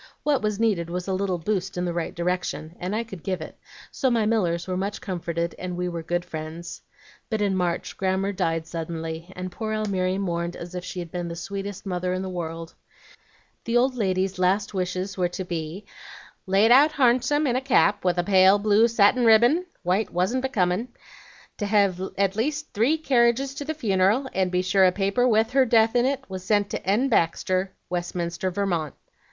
What was needed was a little 'boost' in the right direction, and I could give it; so my Millers were much comforted, and we were good friends. But in March Grammer died suddenly, and poor Almiry mourned as if she had been the sweetest mother in the world. The old lady's last wishes were to be 'laid out harnsome in a cap with a pale blue satin ribbin, white wasn't becomin', to hev at least three carriages to the funeral, and be sure a paper with her death in it was sent to N. Baxter, Westminster, Vermont.'